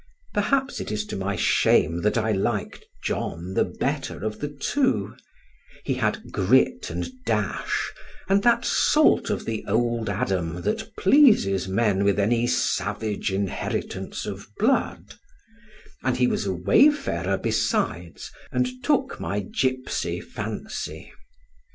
Perhaps it is to my shame that I liked John the better of the two; he had grit and dash, and that salt of the Old Adam that pleases men with any savage inheritance of blood; and he was a wayfarer besides, and took my gipsy fancy.